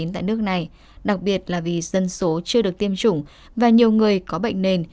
tại nước này đặc biệt là vì dân số chưa được tiêm chủng và nhiều người có bệnh nền